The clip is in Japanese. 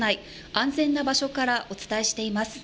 安全な場所からお伝えしています。